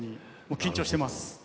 緊張しています。